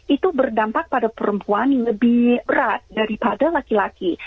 itu berdampak pada perempuan lebih berat daripada laki laki